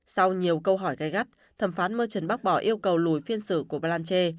sau nhiều câu hỏi gây gắt thẩm phán mơ chấn bác bỏ yêu cầu lùi phiên xử của blanchi